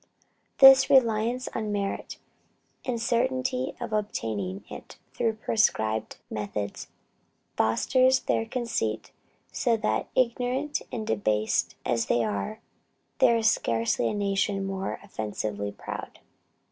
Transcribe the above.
This reliance on 'merit,' and certainty of obtaining it through prescribed methods, fosters their conceit, so that ignorant and debased as they are, "there is scarcely a nation more offensively proud."